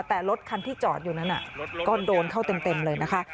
แต่รถคันที่จอดอยู่นั้นก็โดนเข้าเต็มเลยนะคะ